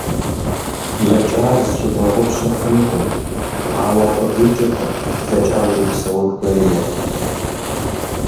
Блэкӏар зыщыбгъэгъупщэ хъунукъым, ауэ абы къикӏыркъым блэкӏам урипсэун хуейуэ.